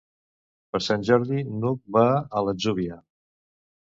Per Sant Jordi n'Hug va a l'Atzúbia.